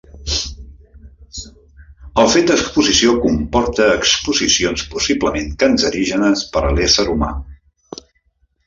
El fet d'exposició comporta exposicions possiblement cancerígenes per a l'ésser humà.